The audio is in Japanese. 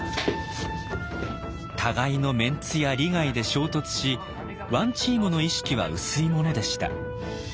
互いのメンツや利害で衝突しワンチームの意識は薄いものでした。